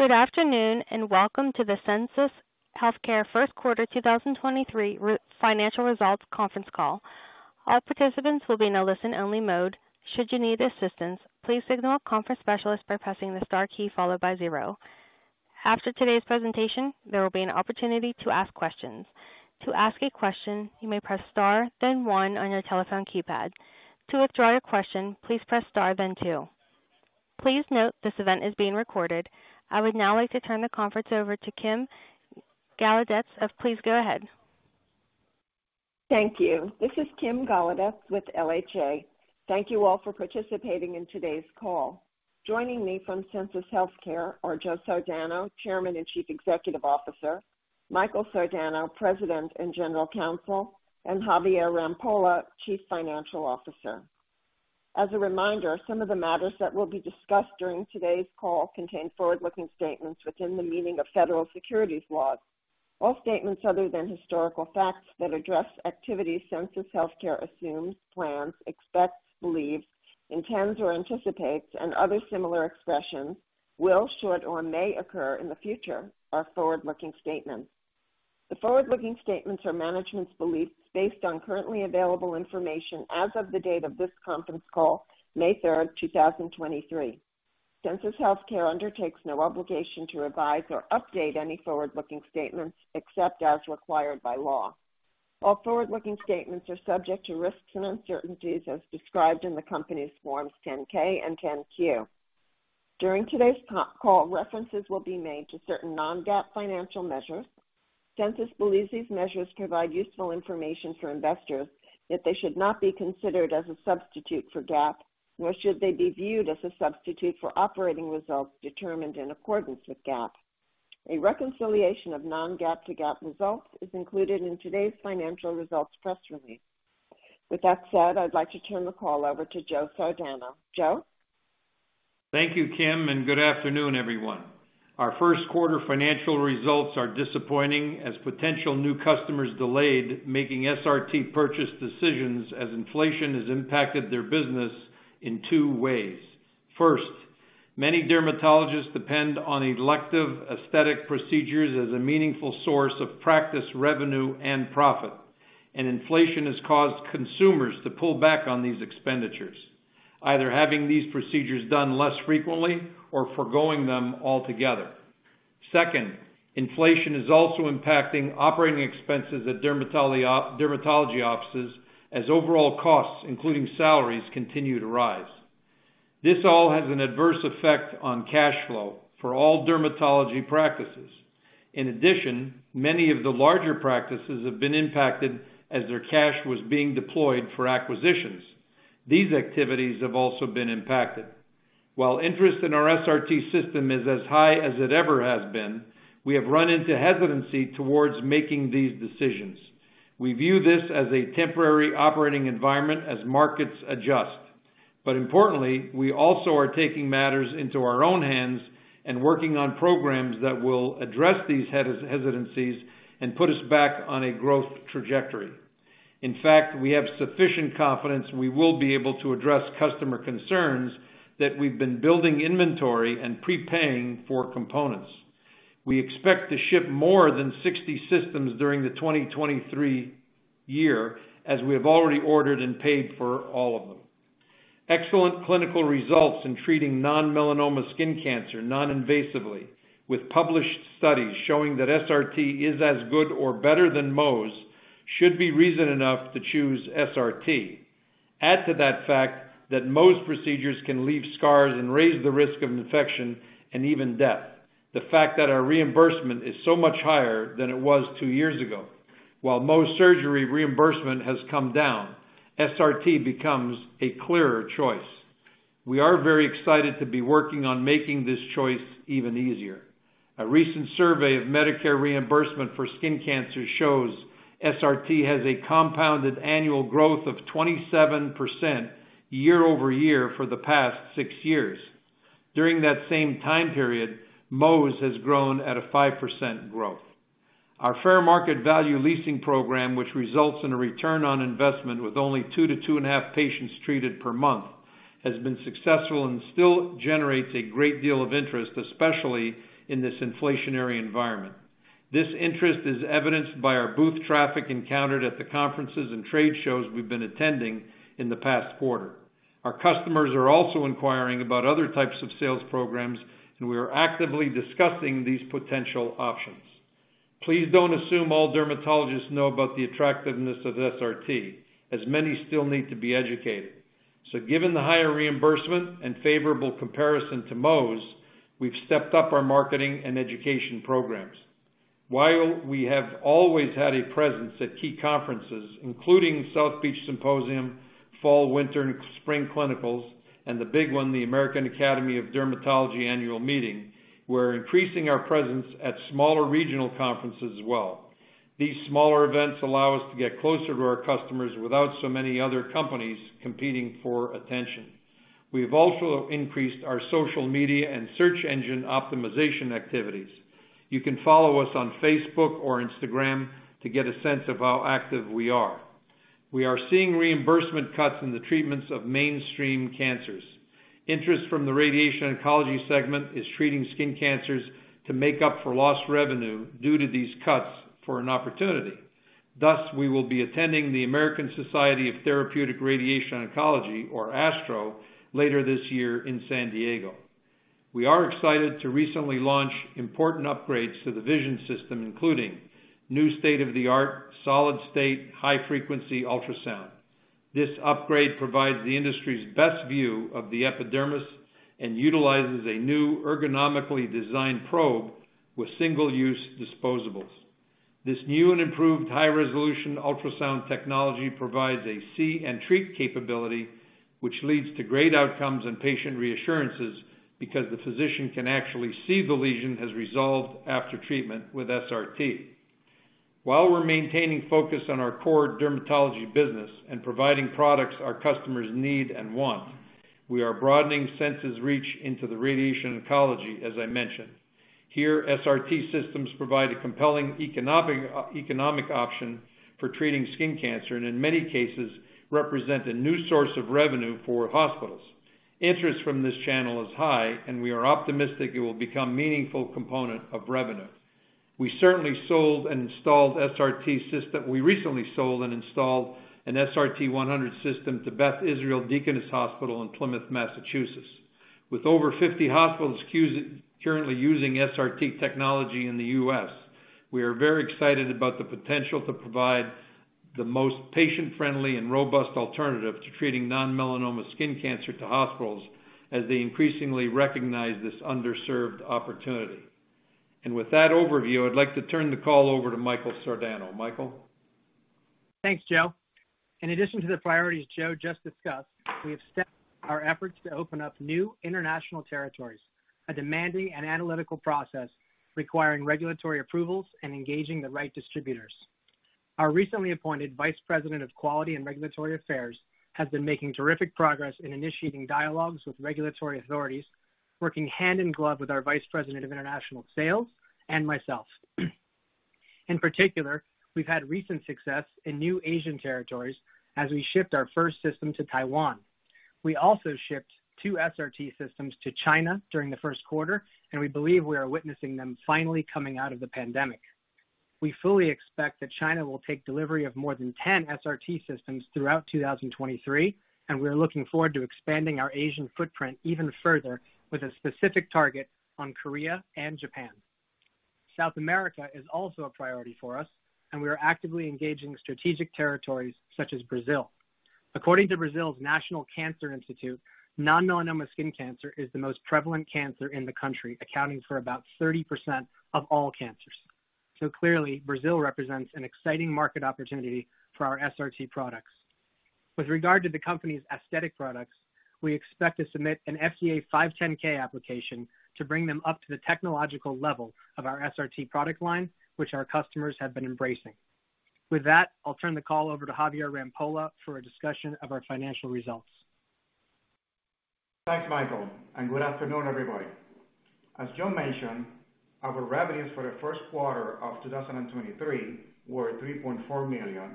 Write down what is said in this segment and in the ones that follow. Good afternoon, welcome to the Sensus Healthcare First Quarter 2023 Financial Results Conference Call. All participants will be in a listen-only mode. Should you need assistance, please signal a conference specialist by pressing the star key followed by 0. After today's presentation, there will be an opportunity to ask questions. To ask a question, you may press star then 1 on your telephone keypad. To withdraw your question, please press star then 2. Please note this event is being recorded. I would now like to turn the conference over to Kim Golodetz. Please go ahead. Thank you. This is Kim Golodetz with LHA. Thank you all for participating in today's call. Joining me from Sensus Healthcare are Joe Sardano, Chairman and Chief Executive Officer, Michael Sardano, President and General Counsel, and Javier Rampolla, Chief Financial Officer. As a reminder, some of the matters that will be discussed during today's call contain forward-looking statements within the meaning of federal securities laws. All statements other than historical facts that address activities Sensus Healthcare assumes, plans, expects, believes, intends or anticipates and other similar expressions will, should or may occur in the future are forward-looking statements. The forward-looking statements are management's beliefs based on currently available information as of the date of this conference call, May third, two thousand twenty-three. Sensus Healthcare undertakes no obligation to revise or update any forward-looking statements except as required by law. All forward-looking statements are subject to risks and uncertainties as described in the company's Forms 10-K and 10-Q. During today's call, references will be made to certain non-GAAP financial measures. Sensus Healthcare believes these measures provide useful information for investors, yet they should not be considered as a substitute for GAAP, nor should they be viewed as a substitute for operating results determined in accordance with GAAP. A reconciliation of non-GAAP to GAAP results is included in today's financial results press release. With that said, I'd like to turn the call over to Joe Sardano. Joe? Thank you, Kim. Good afternoon, everyone. Our first quarter financial results are disappointing as potential new customers delayed making SRT purchase decisions as inflation has impacted their business in 2 ways. First, many dermatologists depend on elective aesthetic procedures as a meaningful source of practice revenue and profit, and inflation has caused consumers to pull back on these expenditures, either having these procedures done less frequently or foregoing them altogether. Second, inflation is also impacting operating expenses at dermatology offices as overall costs, including salaries, continue to rise. This all has an adverse effect on cash flow for all dermatology practices. In addition, many of the larger practices have been impacted as their cash was being deployed for acquisitions. These activities have also been impacted. While interest in our SRT system is as high as it ever has been, we have run into hesitancy towards making these decisions. We view this as a temporary operating environment as markets adjust. Importantly, we also are taking matters into our own hands and working on programs that will address these hesitancies and put us back on a growth trajectory. In fact, we have sufficient confidence we will be able to address customer concerns that we've been building inventory and prepaying for components. We expect to ship more than 60 systems during the 2023 year, as we have already ordered and paid for all of them. Excellent clinical results in treating non-melanoma skin cancer non-invasively, with published studies showing that SRT is as good or better than Mohs should be reason enough to choose SRT. Add to that fact that Mohs procedures can leave scars and raise the risk of infection and even death. The fact that our reimbursement is so much higher than it was 2 years ago, while Mohs surgery reimbursement has come down, SRT becomes a clearer choice. We are very excited to be working on making this choice even easier. A recent survey of Medicare reimbursement for skin cancer shows SRT has a compounded annual growth of 27% year-over-year for the past 6 years. During that same time period, Mohs has grown at a 5% growth. Our fair market value leasing program, which results in a return on investment with only 2 to 2.5 patients treated per month, has been successful and still generates a great deal of interest, especially in this inflationary environment. This interest is evidenced by our booth traffic encountered at the conferences and trade shows we've been attending in the past quarter. Our customers are also inquiring about other types of sales programs, and we are actively discussing these potential options. Please don't assume all dermatologists know about the attractiveness of SRT, as many still need to be educated. Given the higher reimbursement and favorable comparison to Mohs, we've stepped up our marketing and education programs. While we have always had a presence at key conferences, including South Beach Symposium, Fall, Winter, and Spring Clinicals, and the big one, the American Academy of Dermatology annual meeting, we're increasing our presence at smaller regional conferences as well. These smaller events allow us to get closer to our customers without so many other companies competing for attention. We've also increased our social media and search engine optimization activities. You can follow us on Facebook or Instagram to get a sense of how active we are. We are seeing reimbursement cuts in the treatments of mainstream cancers. Interest from the radiation oncology segment is treating skin cancers to make up for lost revenue due to these cuts for an opportunity. Thus, we will be attending the American Society of Therapeutic Radiation Oncology, or ASTRO, later this year in San Diego. We are excited to recently launch important upgrades to the Vision System, including new state-of-the-art solid-state high-frequency ultrasound. This upgrade provides the industry's best view of the epidermis and utilizes a new ergonomically designed probe with single-use disposables. This new and improved high-resolution ultrasound technology provides a see and treat capability, which leads to great outcomes and patient reassurances because the physician can actually see the lesion has resolved after treatment with SRT. While we're maintaining focus on our core dermatology business and providing products our customers need and want, we are broadening Sensus reach into the radiation oncology, as I mentioned. Here, SRT systems provide a compelling economic option for treating skin cancer, and in many cases represent a new source of revenue for hospitals. Interest from this channel is high, we are optimistic it will become meaningful component of revenue. We recently sold and installed an SRT-100 system to Beth Israel Deaconess Hospital in Plymouth. With over 50 hospitals currently using SRT technology in the U.S., we are very excited about the potential to provide the most patient-friendly and robust alternative to treating non-melanoma skin cancer to hospitals as they increasingly recognize this underserved opportunity. With that overview, I'd like to turn the call over to Michael Sardano. Michael? Thanks, Joe. In addition to the priorities Joe just discussed, we have stepped our efforts to open up new international territories, a demanding and analytical process requiring regulatory approvals and engaging the right distributors. Our recently appointed vice president of quality and regulatory affairs has been making terrific progress in initiating dialogues with regulatory authorities, working hand in glove with our vice president of international sales and myself. In particular, we've had recent success in new Asian territories as we shipped our first system to Taiwan. We also shipped 2 SRT systems to China during the first quarter, and we believe we are witnessing them finally coming out of the pandemic. We fully expect that China will take delivery of more than 10 SRT systems throughout 2023, and we are looking forward to expanding our Asian footprint even further with a specific target on Korea and Japan. South America is also a priority for us, and we are actively engaging strategic territories such as Brazil. According to Brazil's National Cancer Institute, non-melanoma skin cancer is the most prevalent cancer in the country, accounting for about 30% of all cancers. Clearly, Brazil represents an exciting market opportunity for our SRT products. With regard to the company's aesthetic products, we expect to submit an FDA 510(k) application to bring them up to the technological level of our SRT product line, which our customers have been embracing. With that, I'll turn the call over to Javier Rampolla for a discussion of our financial results. Thanks, Michael. Good afternoon, everybody. As Joe mentioned, our revenues for the first quarter of 2023 were $3.4 million,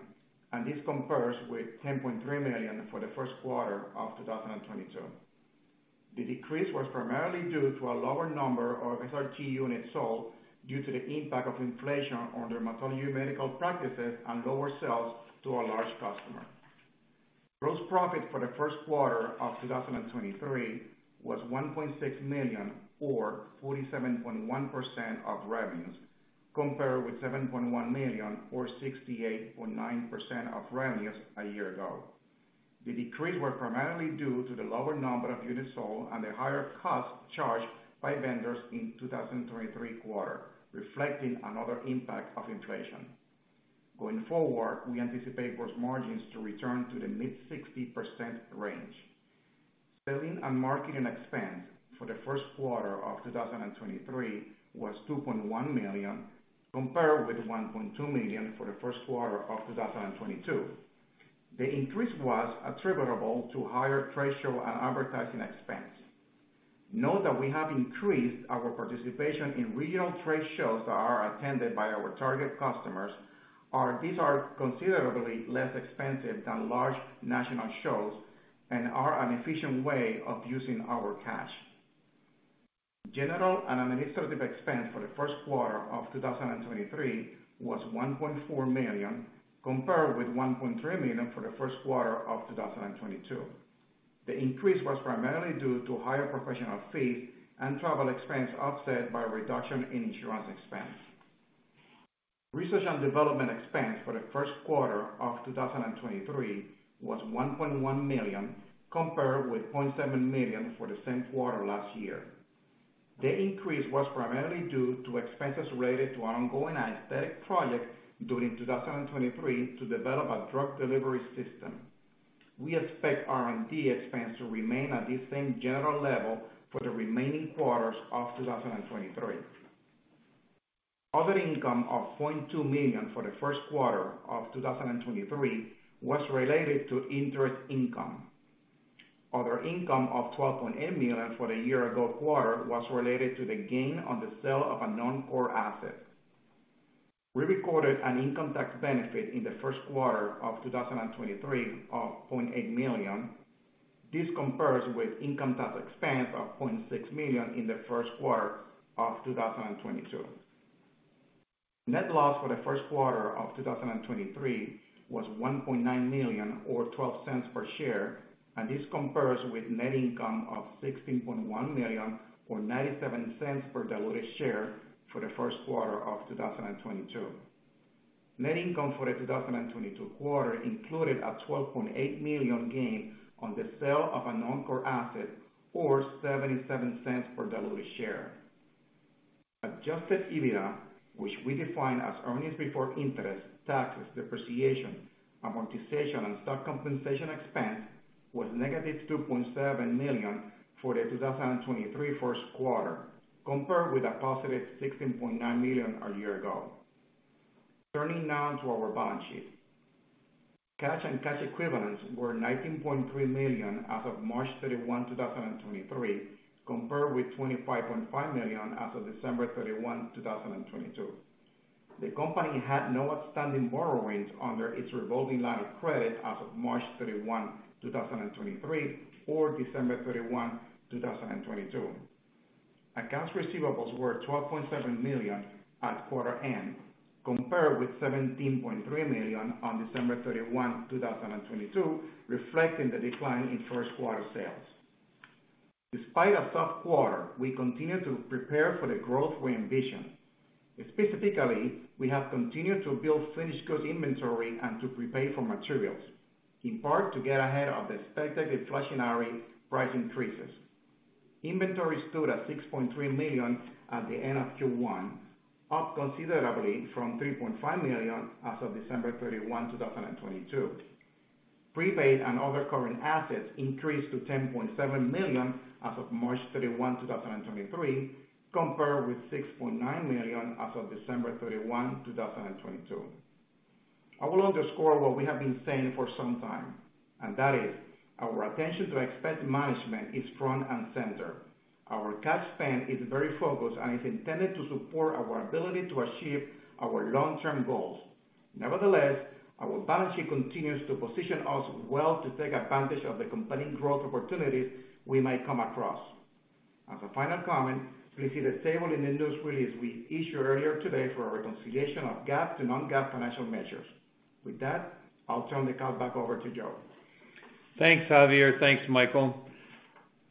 and this compares with $10.3 million for the first quarter of 2022. The decrease was primarily due to a lower number of SRT units sold due to the impact of inflation on dermatology medical practices and lower sales to a large customer. Gross profit for the first quarter of 2023 was $1.6 million, or 47.1% of revenues, compared with $7.1 million or 68.9% of revenues a year ago. The decrease were primarily due to the lower number of units sold and the higher costs charged by vendors in 2023 quarter, reflecting another impact of inflation. Going forward, we anticipate gross margins to return to the mid-60% range. Selling and marketing expense for the first quarter of 2023 was $2.1 million, compared with $1.2 million for the first quarter of 2022. The increase was attributable to higher trade show and advertising expense. Note that we have increased our participation in regional trade shows that are attended by our target customers. These are considerably less expensive than large national shows and are an efficient way of using our cash. General and administrative expense for the first quarter of 2023 was $1.4 million, compared with $1.3 million for the first quarter of 2022. The increase was primarily due to higher professional fees and travel expense offset by reduction in insurance expense. Research and development expense for the first quarter of 2023 was $1.1 million, compared with $0.7 million for the same quarter last year. The increase was primarily due to expenses related to our ongoing aesthetic project during 2023 to develop a drug delivery system. We expect R&D expense to remain at the same general level for the remaining quarters of 2023. Other income of $0.2 million for the first quarter of 2023 was related to interest income. Other income of $12.8 million for the year ago quarter was related to the gain on the sale of a non-core asset. We recorded an income tax benefit in the first quarter of 2023 of $0.8 million. This compares with income tax expense of $0.6 million in the first quarter of 2022. Net loss for the first quarter of 2023 was $1.9 million or $0.12 per share, this compares with net income of $16.1 million or $0.97 per diluted share for the first quarter of 2022. Net income for the 2022 quarter included a $12.8 million gain on the sale of a non-core asset or $0.77 per diluted share. Adjusted EBITDA, which we define as earnings before interest, taxes, depreciation, amortization, and stock compensation expense, was negative $2.7 million for the 2023 first quarter, compared with a positive $16.9 million a year ago. Turning now to our balance sheet. Cash and cash equivalents were $19.3 million as of March 31, 2023, compared with $25.5 million as of December 31, 2022. The company had no outstanding borrowings under its revolving line of credit as of March 31, 2023 or December 31, 2022. Accounts receivables were $12.7 million at quarter end, compared with $17.3 million on December 31, 2022, reflecting the decline in first quarter sales. Despite a soft quarter, we continue to prepare for the growth we envision. Specifically, we have continued to build finished goods inventory and to prepay for materials, in part to get ahead of the expected inflationary price increases. Inventory stood at $6.3 million at the end of Q1, up considerably from $3.5 million as of December 31, 2022. Prepaid and other current assets increased to $10.7 million as of March 31, 2023, compared with $6.9 million as of December 31, 2022. I will underscore what we have been saying for some time, and that is our attention to expense management is front and center. Our cash spend is very focused and is intended to support our ability to achieve our long-term goals. Nevertheless, our balance sheet continues to position us well to take advantage of the compelling growth opportunities we might come across. As a final comment, please see the table in the news release we issued earlier today for a reconciliation of GAAP to non-GAAP financial measures. With that, I'll turn the call back over to Joe. Thanks, Javier. Thanks, Michael.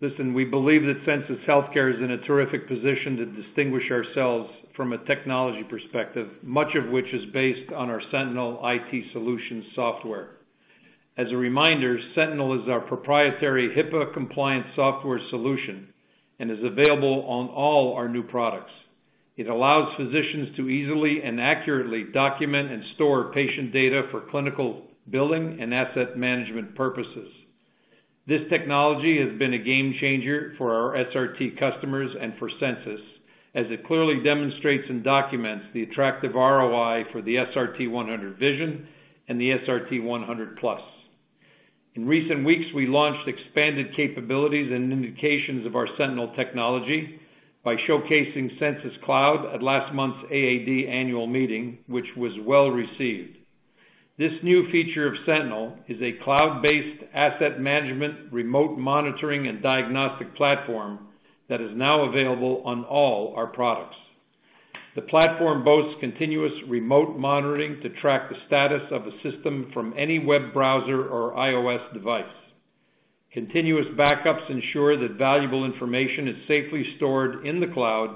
Listen, we believe that Sensus Healthcare is in a terrific position to distinguish ourselves from a technology perspective, much of which is based on our Sentinel IT Solutions software. As a reminder, Sentinel is our proprietary HIPAA-compliant software solution and is available on all our new products. It allows physicians to easily and accurately document and store patient data for clinical billing and asset management purposes. This technology has been a game changer for our SRT customers and for Sensus as it clearly demonstrates and documents the attractive ROI for the SRT-100 Vision and the SRT-100+. In recent weeks, we launched expanded capabilities and indications of our Sentinel technology by showcasing Sensus Cloud at last month's AAD annual meeting, which was well received. This new feature of Sentinel is a cloud-based asset management, remote monitoring, and diagnostic platform that is now available on all our products. The platform boasts continuous remote monitoring to track the status of a system from any web browser or iOS device. Continuous backups ensure that valuable information is safely stored in the cloud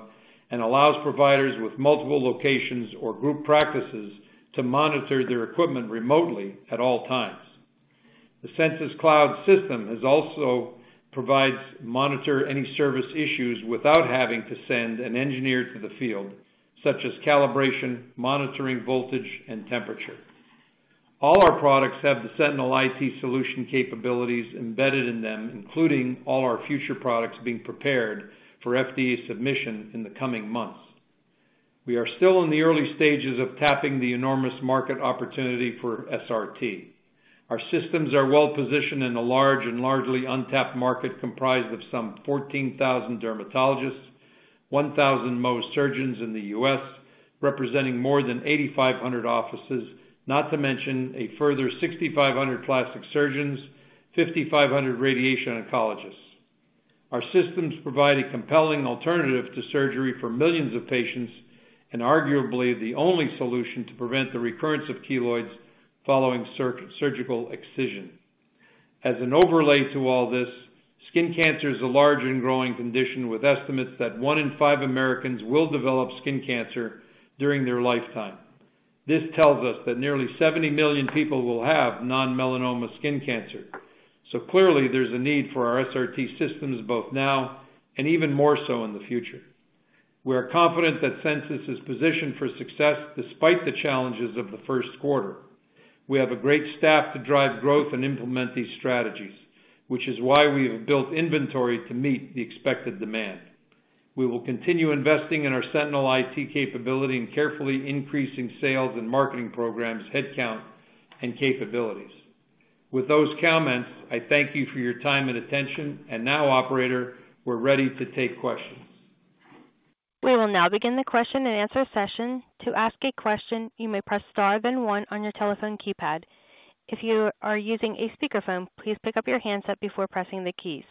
and allows providers with multiple locations or group practices to monitor their equipment remotely at all times. The Sensus Cloud system has also provides monitor any service issues without having to send an engineer to the field, such as calibration, monitoring voltage, and temperature. All our products have the Sentinel IT solution capabilities embedded in them, including all our future products being prepared for FDA submission in the coming months. We are still in the early stages of tapping the enormous market opportunity for SRT. Our systems are well positioned in a large and largely untapped market comprised of some 14,000 dermatologists, 1,000 Mohs surgeons in the U.S., representing more than 8,500 offices, not to mention a further 6,500 plastic surgeons, 5,500 radiation oncologists. Our systems provide a compelling alternative to surgery for millions of patients and arguably the only solution to prevent the recurrence of keloids following surgical excision. As an overlay to all this, skin cancer is a large and growing condition, with estimates that one in five Americans will develop skin cancer during their lifetime. This tells us that nearly 70 million people will have non-melanoma skin cancer. Clearly there's a need for our SRT systems both now and even more so in the future. We are confident that Sensus is positioned for success despite the challenges of the first quarter. We have a great staff to drive growth and implement these strategies, which is why we have built inventory to meet the expected demand. We will continue investing in our Sentinel IT capability and carefully increasing sales and marketing programs, headcount and capabilities. With those comments, I thank you for your time and attention. Now, operator, we're ready to take questions. We will now begin the question-and-answer session. To ask a question, you may press star then 1 on your telephone keypad. If you are using a speakerphone, please pick up your handset before pressing the keys.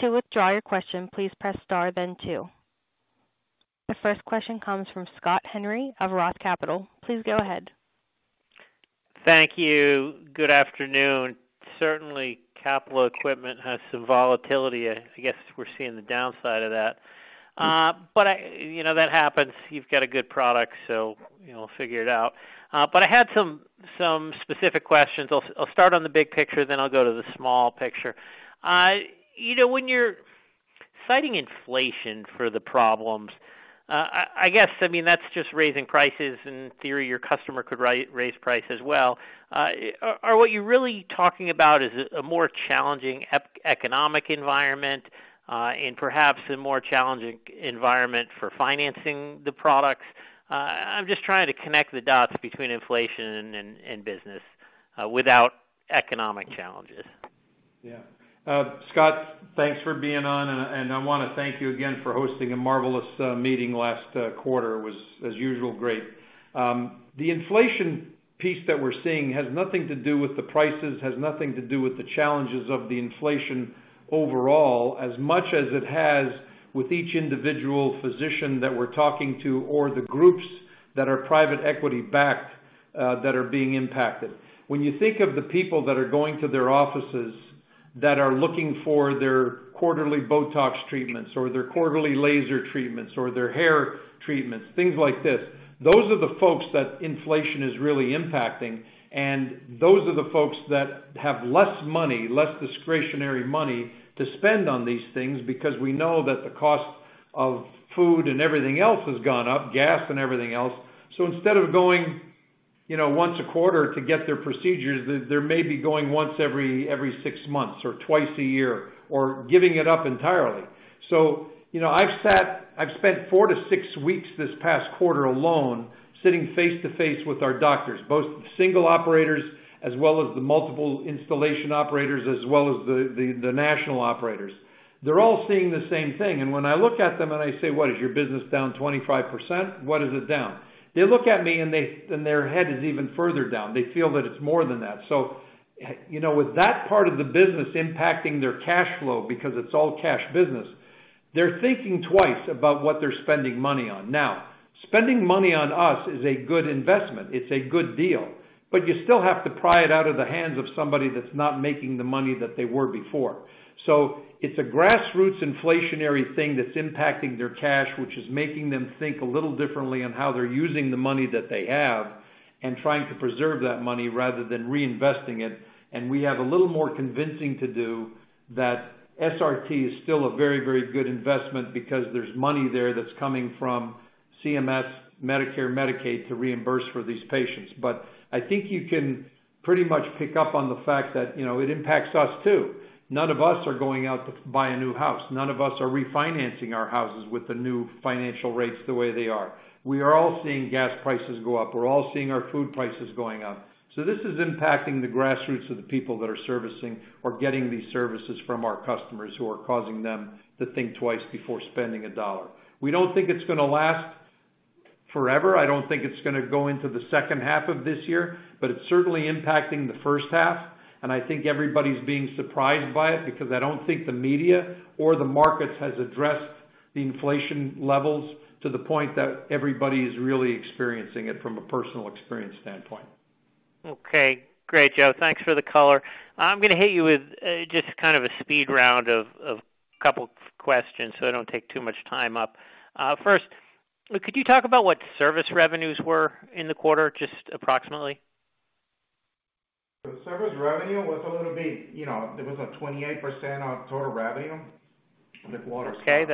To withdraw your question, please press star then 2. The first question comes from Scott Henry of ROTH Capital. Please go ahead. Thank you. Good afternoon. Certainly, capital equipment has some volatility. I guess we're seeing the downside of that. You know that happens. You've got a good product, you know, figure it out. I had some specific questions. I'll start on the big picture, I'll go to the small picture. You know, when you're citing inflation for the problems, I guess, I mean, that's just raising prices. In theory, your customer could raise price as well. Are what you're really talking about is a more challenging economic environment, and perhaps a more challenging environment for financing the products. I'm just trying to connect the dots between inflation and business without economic challenges. Yeah. Scott, thanks for being on. I wanna thank you again for hosting a marvelous meeting last quarter. It was, as usual, great. The inflation piece that we're seeing has nothing to do with the prices, has nothing to do with the challenges of the inflation overall, as much as it has with each individual physician that we're talking to or the groups that are private equity-backed that are being impacted. When you think of the people that are going to their offices that are looking for their quarterly Botox treatments or their quarterly laser treatments or their hair treatments, things like this, those are the folks that inflation is really impacting, and those are the folks that have less money, less discretionary money to spend on these things because we know that the cost of food and everything else has gone up, gas and everything else. Instead of going, you know, once a quarter to get their procedures, they may be going once every 6 months or twice a year or giving it up entirely. You know, I've spent 4-6 weeks this past quarter alone, sitting face to face with our doctors, both single operators as well as the multiple installation operators as well as the national operators. They're all seeing the same thing. When I look at them and I say, "What? Is your business down 25%? What is it down?" They look at me and their head is even further down. They feel that it's more than that. You know, with that part of the business impacting their cash flow because it's all cash business, they're thinking twice about what they're spending money on. Spending money on us is a good investment. It's a good deal, but you still have to pry it out of the hands of somebody that's not making the money that they were before. It's a grassroots inflationary thing that's impacting their cash, which is making them think a little differently on how they're using the money that they have and trying to preserve that money rather than reinvesting it. We have a little more convincing to do that SRT is still a very, very good investment because there's money there that's coming from CMS, Medicare, Medicaid to reimburse for these patients. I think you can pretty much pick up on the fact that, you know, it impacts us too. None of us are going out to buy a new house. None of us are refinancing our houses with the new financial rates the way they are. We are all seeing gas prices go up. We're all seeing our food prices going up. This is impacting the grassroots of the people that are servicing or getting these services from our customers who are causing them to think twice before spending $1. We don't think it's gonna last forever. I don't think it's gonna go into the second half of this year, but it's certainly impacting the first half, and I think everybody's being surprised by it because I don't think the media or the markets has addressed the inflation levels to the point that everybody is really experiencing it from a personal experience standpoint. Okay, great, Joe. Thanks for the color. I'm gonna hit you with just kind of a speed round of couple questions so I don't take too much time up. First, could you talk about what service revenues were in the quarter, just approximately? The service revenue was, you know, it was like 28% of total revenue. Okay.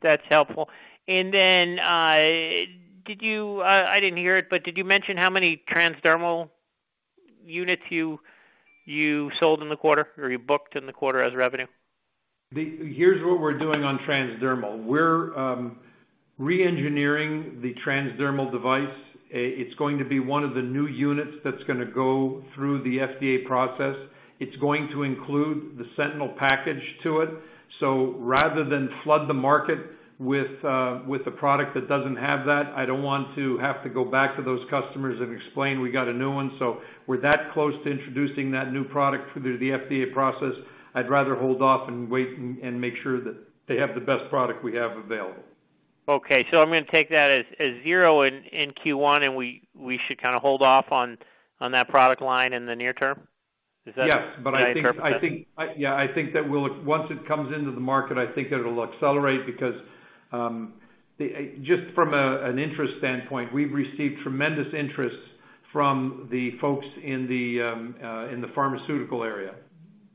That's helpful. Then, I didn't hear it, but did you mention how many TransDermal units you sold in the quarter or you booked in the quarter as revenue? Here's what we're doing on TransDermal. We're re-engineering the TransDermal device. It's going to be one of the new units that's gonna go through the FDA process. It's going to include the Sentinel package to it. Rather than flood the market with a product that doesn't have that, I don't want to have to go back to those customers and explain we got a new one. We're that close to introducing that new product through the FDA process. I'd rather hold off and wait and make sure that they have the best product we have available. Okay. I'm gonna take that as 0 in Q1, and we should kinda hold off on that product line in the near term. Is that? Yes. Did I interpret that? Yeah, I think Once it comes into the market, I think it'll accelerate because just from an interest standpoint, we've received tremendous interest from the folks in the pharmaceutical area,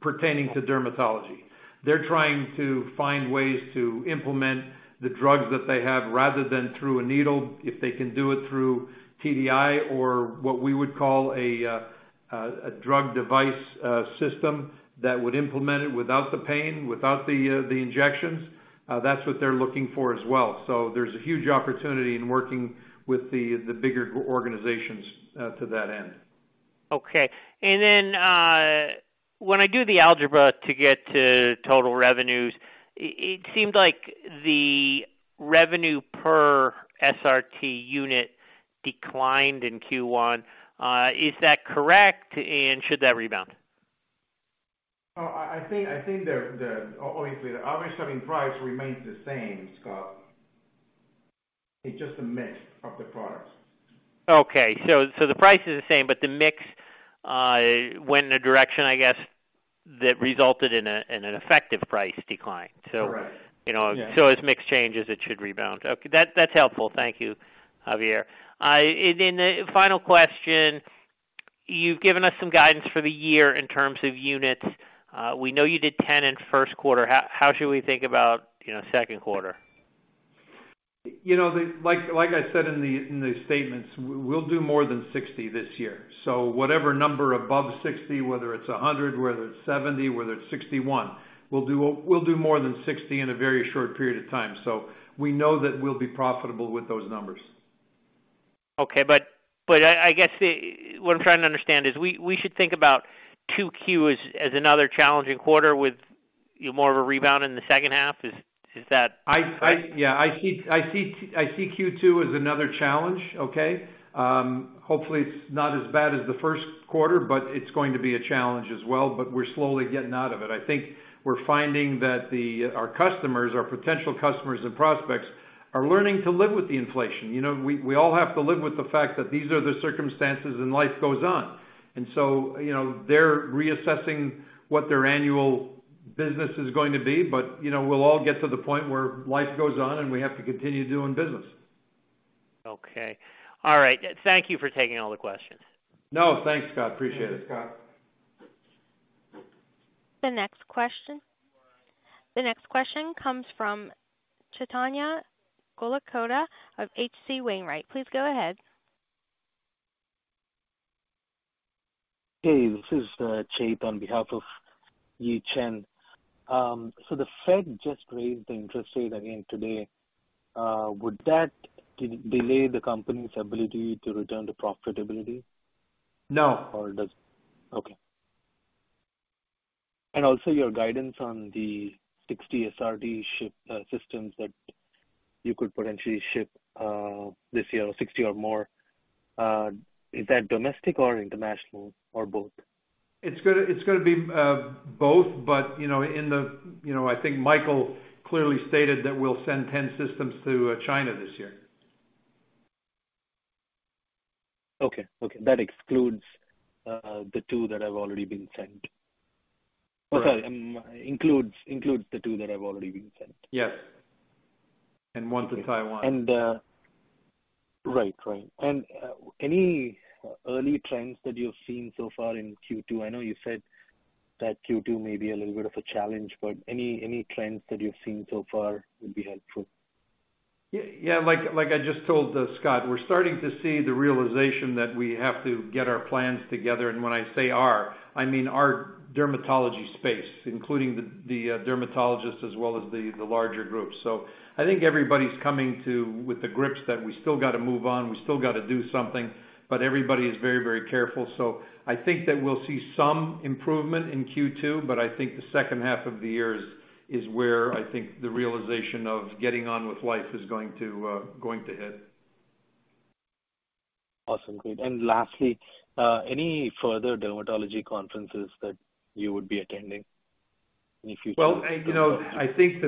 pertaining to dermatology. They're trying to find ways to implement the drugs that they have rather than through a needle, if they can do it through TDI or what we would call a drug device system that would implement it without the pain, without the injections. That's what they're looking for as well. There's a huge opportunity in working with the bigger organizations to that end. Okay. Then, when I do the algebra to get to total revenues, it seemed like the revenue per SRT unit declined in Q1. Is that correct? Should that rebound? I think the obviously, the average selling price remains the same, Scott. It's just a mix of the products. Okay. The price is the same, but the mix went in an effective price decline. Correct. Yeah. You know, as mix changes, it should rebound. Okay, that's helpful. Thank you, Javier. The final question, you've given us some guidance for the year in terms of units. We know you did 10 in first quarter. How should we think about, you know, second quarter? You know, like I said in the statements, we'll do more than 60 this year. Whatever number above 60, whether it's 100, whether it's 70, whether it's 61, we'll do more than 60 in a very short period of time. We know that we'll be profitable with those numbers. Okay. I guess what I'm trying to understand is we should think about 2Q as another challenging quarter with more of a rebound in the second half. Is that? I see Q2 as another challenge, okay? Hopefully it's not as bad as the first quarter, it's going to be a challenge as well. We're slowly getting out of it. I think we're finding that the, our customers, our potential customers and prospects are learning to live with the inflation. You know, we all have to live with the fact that these are the circumstances and life goes on. You know, they're reassessing what their annual business is going to be. You know, we'll all get to the point where life goes on, and we have to continue doing business. Okay. All right. Thank you for taking all the questions. No, thanks, Scott. Appreciate it, Scott. The next question comes from Chaitanya Gollakota of H.C. Wainwright. Please go ahead. Hey, this is Chait on behalf of Yi Chen. The Fed just raised the interest rate again today. Would that delay the company's ability to return to profitability? No. It doesn't. Okay. Also, your guidance on the 60 SRT systems that you could potentially ship this year, 60 or more. Is that domestic or international or both? It's gonna be both. You know, I think Michael clearly stated that we'll send 10 systems to China this year. Okay. Okay. That excludes the two that have already been sent. Right. Sorry, includes the two that have already been sent. Yes. One to Taiwan. Right. Any early trends that you've seen so far in Q2? I know you said that Q2 may be a little bit of a challenge, but any trends that you've seen so far would be helpful. Yeah. Like I just told Scott, we're starting to see the realization that we have to get our plans together. When I say our, I mean our dermatology space, including the dermatologists as well as the larger groups. I think everybody's coming to with the grips that we still gotta move on, we still gotta do something, but everybody is very, very careful. I think that we'll see some improvement in Q2, but I think the second half of the year is where I think the realization of getting on with life is going to hit. Awesome. Great. lastly, any further dermatology conferences that you would be attending in the future? You know, I think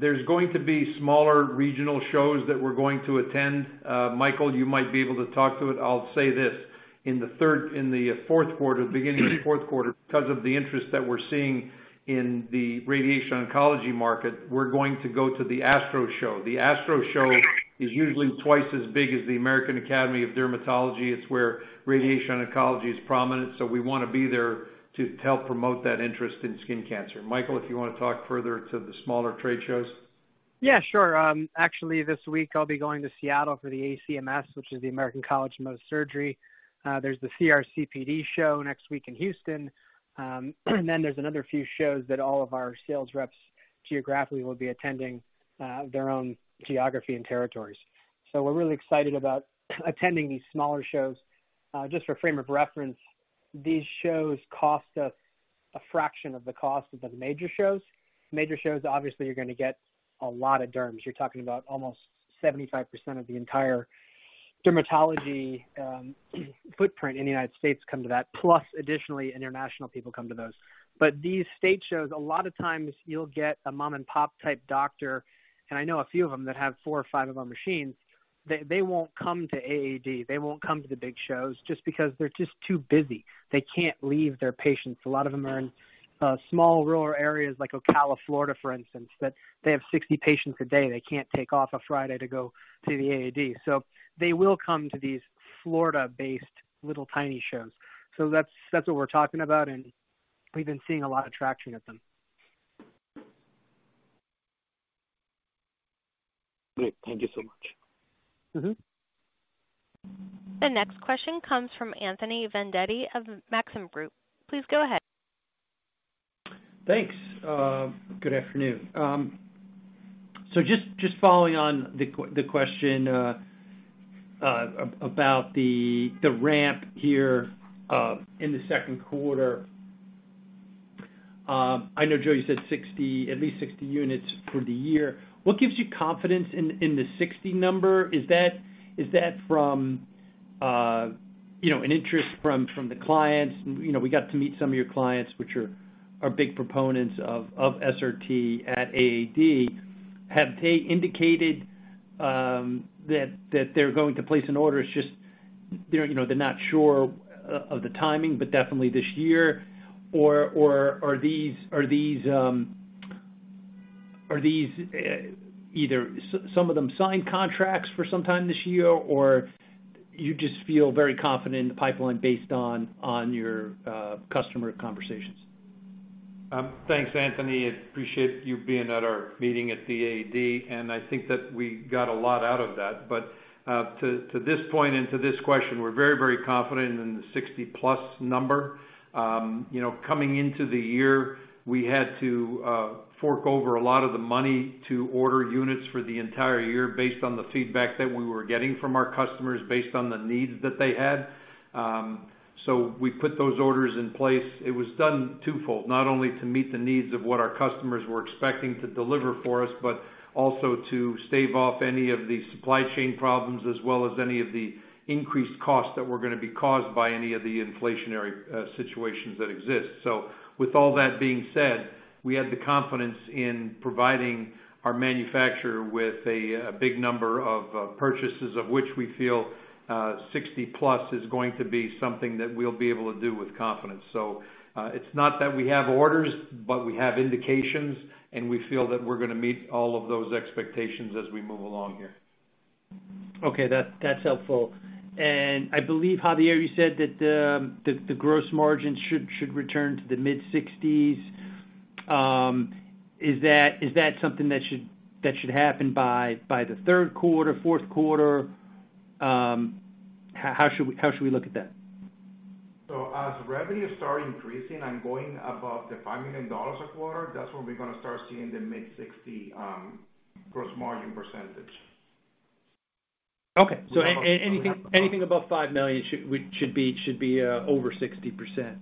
there's going to be smaller regional shows that we're going to attend. Michael, you might be able to talk to it. I'll say this. In the fourth quarter, beginning of the fourth quarter, because of the interest that we're seeing in the radiation oncology market, we're going to go to the ASTRO show. The ASTRO show is usually 2x as big as the American Academy of Dermatology. It's where radiation oncology is prominent, so we wanna be there to help promote that interest in skin cancer. Michael, if you wanna talk further to the smaller trade shows. Yeah, sure. Actually, this week I'll be going to Seattle for the ACMS, which is the American College of Mohs Surgery. There's the CRCPD show next week in Houston. There's another few shows that all of our sales reps geographically will be attending their own geography and territories. We're really excited about attending these smaller shows. Just for frame of reference, these shows cost us a fraction of the cost of the major shows. Major shows, obviously, you're gonna get a lot of derms. You're talking about almost 75% of the entire dermatology footprint in the United States come to that, plus additionally, international people come to those. These state shows, a lot of times you'll get a mom-and-pop type doctor, and I know a few of them that have four or five of our machines, they won't come to AAD. They won't come to the big shows just because they're just too busy. They can't leave their patients. A lot of them are in small rural areas like Ocala, Florida, for instance, that they have 60 patients a day. They can't take off a Friday to go to the AAD. They will come to these Florida-based little, tiny shows. That's what we're talking about, and we've been seeing a lot of traction at them. Great. Thank you so much. Mm-hmm. The next question comes from Anthony Vendetti of Maxim Group. Please go ahead. Thanks. Good afternoon. Just, just following on the question about the ramp here in the second quarter. I know, Joe, you said at least 60 units for the year. What gives you confidence in the 60 number? Is that from, you know, an interest from the clients? You know, we got to meet some of your clients, which are big proponents of SRT at AAD. Have they indicated that they're going to place an order, it's just, you know, they're not sure of the timing, but definitely this year? Or are these either some of them signed contracts for some time this year or you just feel very confident in the pipeline based on your customer conversations? Thanks, Anthony. I appreciate you being at our meeting at the AAD. I think that we got a lot out of that. To this point and to this question, we're very, very confident in the 60-plus number. You know, coming into the year, we had to fork over a lot of the money to order units for the entire year based on the feedback that we were getting from our customers based on the needs that they had. We put those orders in place. It was done twofold, not only to meet the needs of what our customers were expecting to deliver for us, but also to stave off any of the supply chain problems, as well as any of the increased costs that were going to be caused by any of the inflationary situations that exist. With all that being said, we had the confidence in providing our manufacturer with a big number of purchases of which we feel 60+ is going to be something that we'll be able to do with confidence. It's not that we have orders, but we have indications, and we feel that we're gonna meet all of those expectations as we move along here. Okay. That's helpful. I believe, Javier, you said that the gross margin should return to the mid-sixties. Is that something that should happen by the third quarter, fourth quarter? How should we look at that? As revenue start increasing and going above $5 million a quarter, that's when we're going to start seeing the mid 60 gross margin percentage. Okay. anything- We have the- Anything above $5 million should be over 60%.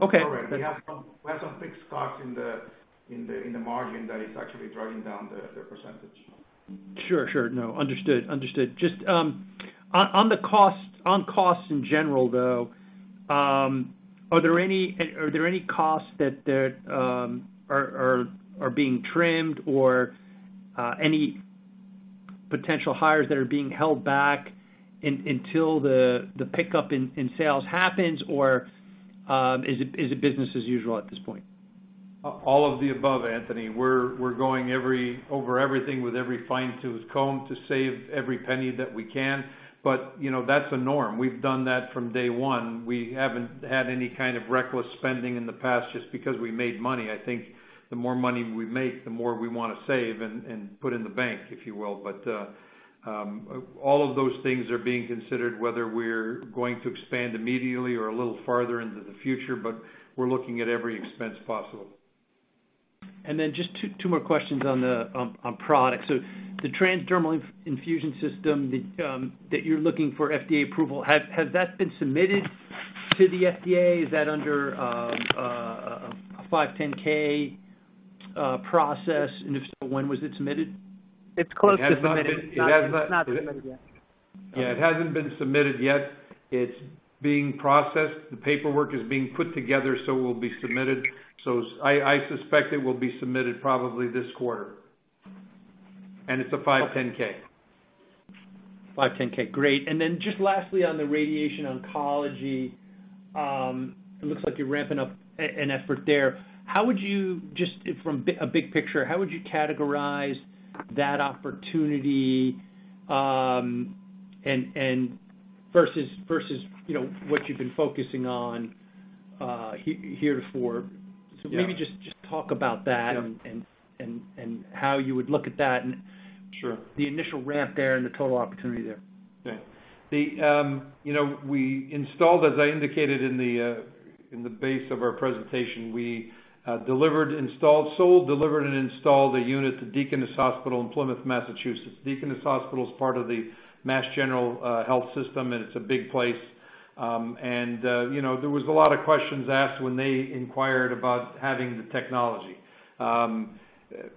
Okay. Sorry. We have some fixed costs in the margin that is actually driving down the %. Sure, sure. No. Understood. Understood. Just on the costs, on costs in general, though, are there any costs that there are being trimmed or any potential hires that are being held back until the pickup in sales happens? Is it business as usual at this point? All of the above, Anthony. We're going over everything with every fine-tooth comb to save every penny that we can. You know, that's a norm. We've done that from day one. We haven't had any kind of reckless spending in the past just because we made money. I think the more money we make, the more we wanna save and put in the bank, if you will. All of those things are being considered, whether we're going to expand immediately or a little farther into the future, but we're looking at every expense possible. Just two more questions on the product. The TransDermal Infusion system that you're looking for FDA approval, has that been submitted to the FDA? Is that under a 510(k) process? If so, when was it submitted? It has not been. It's close to submitted. It has. Not submitted yet. Yeah, it hasn't been submitted yet. It's being processed. The paperwork is being put together, so will be submitted. I suspect it will be submitted probably this quarter. It's a 510(k). 510(k). Great. Just lastly on the radiation oncology, it looks like you're ramping up an effort there. Just from a big picture, how would you categorize that opportunity, and versus, you know, what you've been focusing on heretofore? Yeah. maybe just talk about that? Yeah and how you would look at that. Sure the initial ramp there and the total opportunity there. The, you know, we installed, as I indicated in the base of our presentation, we delivered, installed, sold, and installed a unit to Deaconess Hospital in Plymouth, Massachusetts. Deaconess Hospital is part of the Mass General health system, and it's a big place. You know, there was a lot of questions asked when they inquired about having the technology.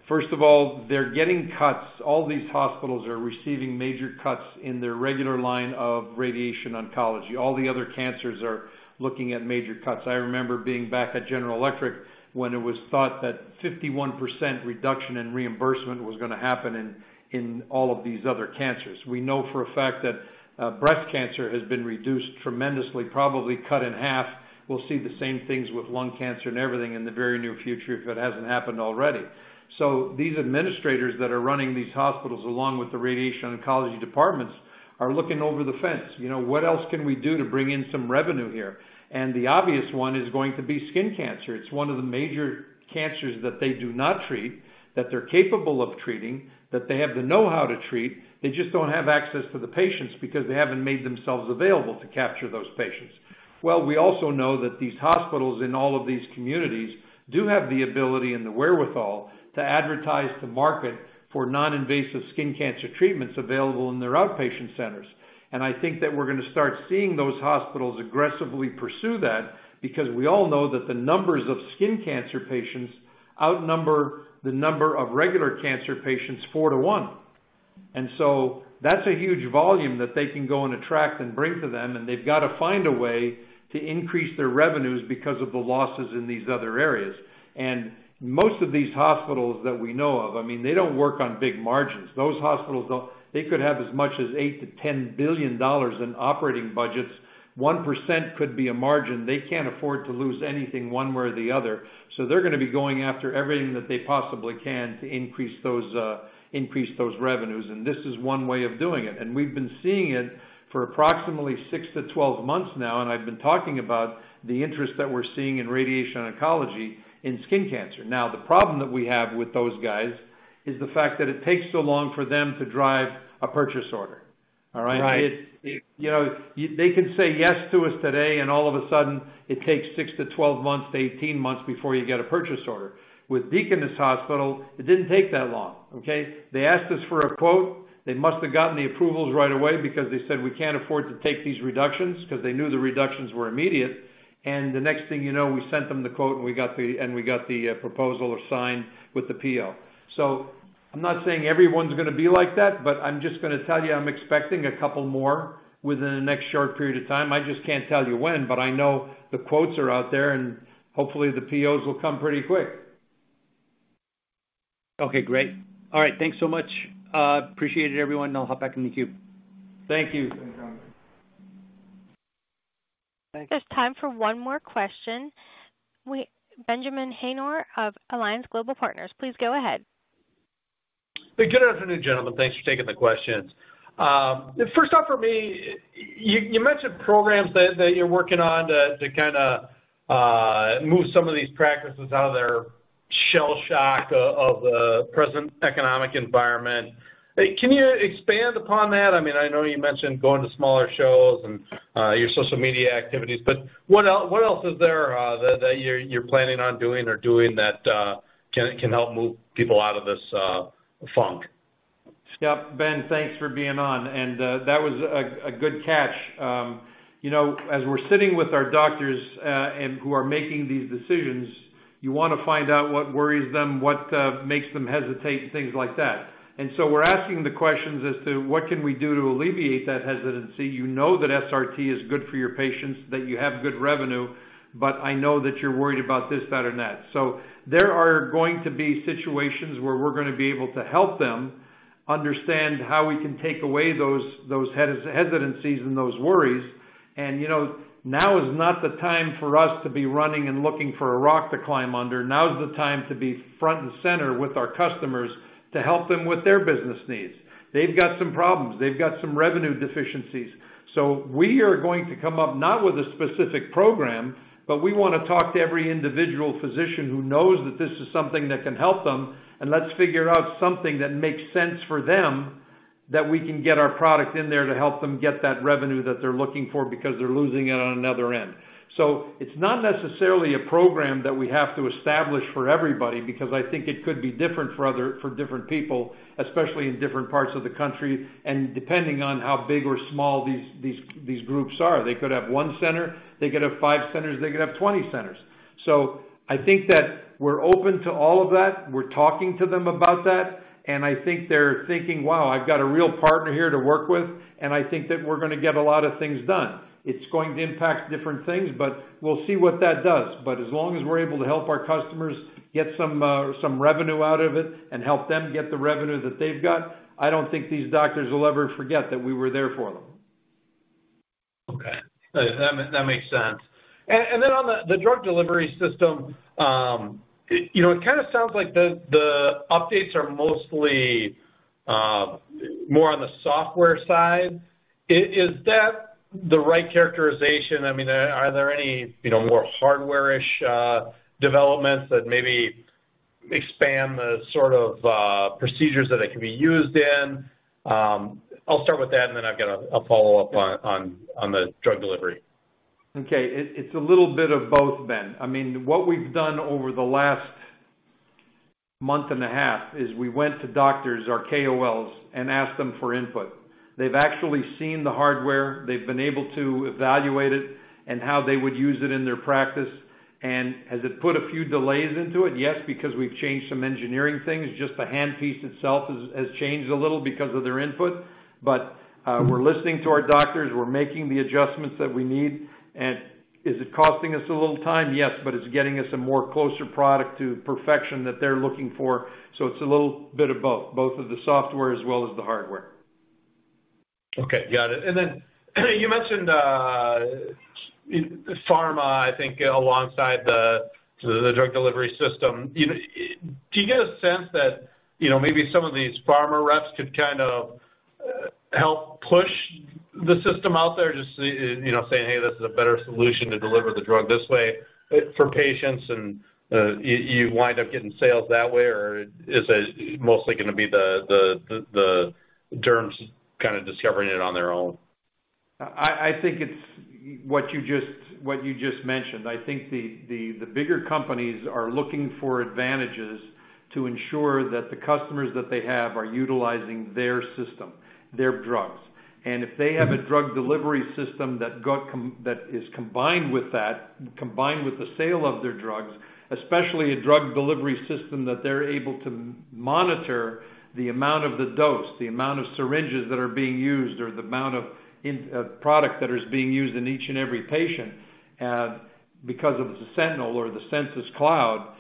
First of all, they're getting cuts. All these hospitals are receiving major cuts in their regular line of radiation oncology. All the other cancers are looking at major cuts. I remember being back at General Electric when it was thought that 51% reduction in reimbursement was gonna happen in all of these other cancers. We know for a fact that breast cancer has been reduced tremendously, probably cut in half. We'll see the same things with lung cancer and everything in the very near future if it hasn't happened already. These administrators that are running these hospitals, along with the radiation oncology departments are looking over the fence. You know, what else can we do to bring in some revenue here? The obvious one is going to be skin cancer. It's one of the major cancers that they do not treat, that they're capable of treating, that they have the know-how to treat. They just don't have access to the patients because they haven't made themselves available to capture those patients. We also know that these hospitals in all of these communities do have the ability and the wherewithal to advertise the market for non-invasive skin cancer treatments available in their outpatient centers. I think that we're gonna start seeing those hospitals aggressively pursue that, because we all know that the numbers of skin cancer patients outnumber the number of regular cancer patients 4 to 1. That's a huge volume that they can go and attract and bring to them, and they've got to find a way to increase their revenues because of the losses in these other areas. Most of these hospitals that we know of, I mean, they don't work on big margins. Those hospitals, they could have as much as $8 billion-$10 billion in operating budgets. 1% could be a margin. They can't afford to lose anything one way or the other. They're gonna be going after everything that they possibly can to increase those, increase those revenues. This is one way of doing it. We've been seeing it for approximately 6 to 12 months now, and I've been talking about the interest that we're seeing in radiation oncology in skin cancer. The problem that we have with those guys is the fact that it takes so long for them to drive a purchase order. All right? Right. You know, they can say yes to us today, and all of a sudden, it takes 6 to 12 months, 18 months before you get a purchase order. With Deaconess Hospital, it didn't take that long, okay? They asked us for a quote. They must have gotten the approvals right away because they said, "We can't afford to take these reductions," because they knew the reductions were immediate. The next thing you know, we sent them the quote, and we got the proposal signed with the PO. I'm not saying everyone's gonna be like that, but I'm just gonna tell you, I'm expecting a couple more within the next short period of time. I just can't tell you when, but I know the quotes are out there, and hopefully, the POs will come pretty quick. Okay, great. All right. Thanks so much. appreciate it, everyone, and I'll hop back in the queue. Thank you. Thanks. There's time for one more question. Benjamin Haynor of Alliance Global Partners, please go ahead. Good afternoon, gentlemen. Thanks for taking the questions. First off, for me, you mentioned programs that you're working on to kinda move some of these practices out of their shell shock of the present economic environment. Can you expand upon that? I mean, I know you mentioned going to smaller shows and your social media activities, but what else is there that you're planning on doing or doing that can help move people out of this funk? Yep. Ben, thanks for being on. That was a good catch. You know, as we're sitting with our doctors, who are making these decisions, you wanna find out what worries them, what makes them hesitate, things like that. We're asking the questions as to what can we do to alleviate that hesitancy. You know that SRT is good for your patients, that you have good revenue, but I know that you're worried about this, that, or that. There are going to be situations where we're gonna be able to help them understand how we can take away those hesitancies and those worries. You know, now is not the time for us to be running and looking for a rock to climb under. Now is the time to be front and center with our customers to help them with their business needs. They've got some problems, they've got some revenue deficiencies. We are going to come up not with a specific program, but we wanna talk to every individual physician who knows that this is something that can help them, and let's figure out something that makes sense for them that we can get our product in there to help them get that revenue that they're looking for because they're losing it on another end. It's not necessarily a program that we have to establish for everybody because I think it could be different for different people, especially in different parts of the country, and depending on how big or small these groups are. They could have one center, they could have five centers, they could have 20 centers. I think that we're open to all of that. We're talking to them about that, and I think they're thinking, "Wow, I've got a real partner here to work with, and I think that we're gonna get a lot of things done." It's going to impact different things, but we'll see what that does. As long as we're able to help our customers get some revenue out of it and help them get the revenue that they've got, I don't think these doctors will ever forget that we were there for them. Okay. That makes sense. Then on the drug delivery system, you know, it kind of sounds like the updates are mostly more on the software side. Is that the right characterization? I mean, are there any, you know, more hardware-ish developments that maybe expand the sort of procedures that it can be used in? I'll start with that, then I've got a follow-up on- Yeah. on the drug delivery. Okay. It's a little bit of both, Ben. I mean, what we've done over the last month and a half is we went to doctors, our KOLs, and asked them for input. They've actually seen the hardware. They've been able to evaluate it and how they would use it in their practice. Has it put a few delays into it? Yes, because we've changed some engineering things. Just the handpiece itself has changed a little because of their input. But we're listening to our doctors. We're making the adjustments that we need. Is it costing us a little time? Yes, but it's getting us a more closer product to perfection that they're looking for. It's a little bit of both of the software as well as the hardware. Okay, got it. Then you mentioned, in pharma, I think alongside the drug delivery system, you know, do you get a sense that, you know, maybe some of these pharma reps could kind of help push the system out there just, you know, saying, "Hey, this is a better solution to deliver the drug this way for patients," and you wind up getting sales that way? Or is it mostly gonna be the derms kind of discovering it on their own? I think it's what you just mentioned. I think the bigger companies are looking for advantages to ensure that the customers that they have are utilizing their system, their drugs. If they have a drug delivery system that is combined with that, combined with the sale of their drugs, especially a drug delivery system that they're able to monitor the amount of the dose, the amount of syringes that are being used or the amount of product that is being used in each and every patient, because of the Sentinel or the Sensus Cloud,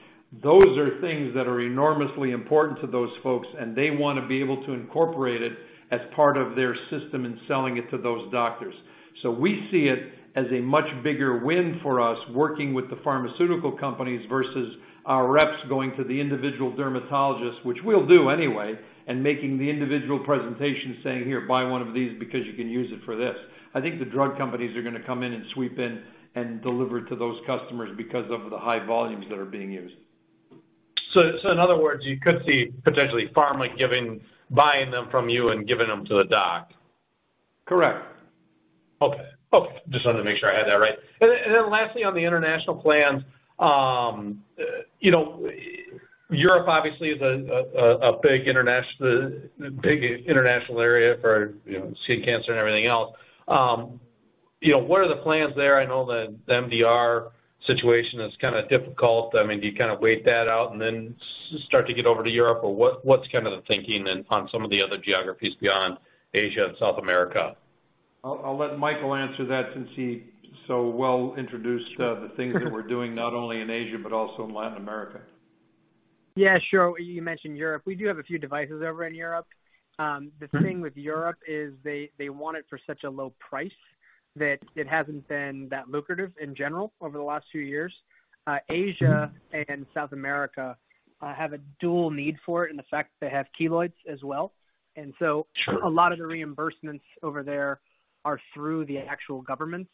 those are things that are enormously important to those folks, and they wanna be able to incorporate it as part of their system in selling it to those doctors. We see it as a much bigger win for us working with the pharmaceutical companies versus our reps going to the individual dermatologists, which we'll do anyway, and making the individual presentation saying, "Here, buy one of these because you can use it for this." I think the drug companies are gonna come in and sweep in and deliver to those customers because of the high volumes that are being used. In other words, you could see potentially pharma buying them from you and giving them to the doc. Correct. Okay. Okay. Just wanted to make sure I had that right. Lastly on the international plans, you know, Europe obviously is a big international area for, you know, skin cancer and everything else. You know, what are the plans there? I know the MDR situation is kind of difficult. I mean, do you kind of wait that out and then start to get over to Europe? What, what's kind of the thinking then on some of the other geographies beyond Asia and South America? I'll let Michael answer that since he so well introduced, the things that we're doing not only in Asia but also in Latin America. Yeah, sure. You mentioned Europe. We do have a few devices over in Europe. The thing with Europe is they want it for such a low price that it hasn't been that lucrative in general over the last few years. Asia and South America have a dual need for it. The fact they have keloids as well. A lot of the reimbursements over there are through the actual governments.